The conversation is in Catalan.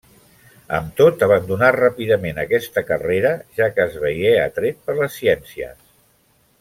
Amb tot abandonà ràpidament aquesta carrera, ja que es veié atret per les ciències.